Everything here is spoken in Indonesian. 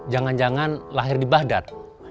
jangan jangan lahir di bahdar